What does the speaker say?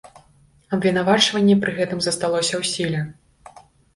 Абвінавачанне пры гэтым засталося ў сіле.